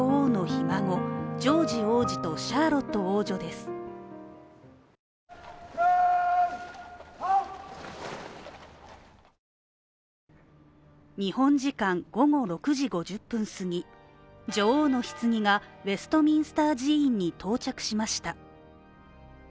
日本時間午後６時５０分すぎ、女王のひつぎがウェストミンスター寺院に到着しました。